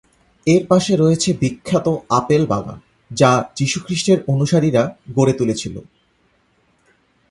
এর পাশে রয়েছে বিখ্যাত আপেল বাগান, যা যিশু খ্রিস্টের অনুসারীরা গড়ে তুলেছিল।